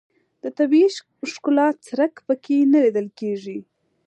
د طبیعي ښکلا څرک په کې نه لیدل کېږي.